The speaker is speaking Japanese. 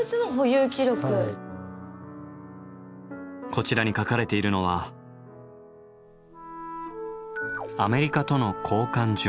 こちらに書かれているのは「アメリカとの交換樹木」。